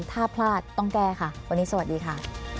ถ้าพลาดต้องแก้ค่ะวันนี้สวัสดีค่ะ